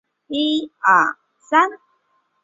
雷格尼茨洛绍是德国巴伐利亚州的一个市镇。